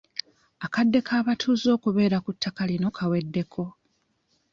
Akadde k'abatuuze okubeera ku ttaka lino kaweddeko.